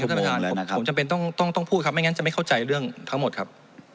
นี่คือปัจจุบันนะครับท่านประธานผมจำเป็นต้องพูดครับไม่งั้นจะไม่เข้าใจเรื่องทั้งหมดครับ